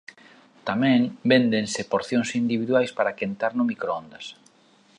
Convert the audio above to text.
Tamén véndense porcións individuais para quentar no microondas.